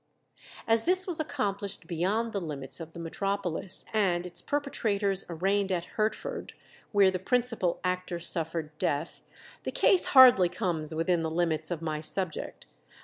As this was accomplished beyond the limits of the metropolis, and its perpetrators arraigned at Hertford, where the principal actor suffered death, the case hardly comes within the limits of my subject.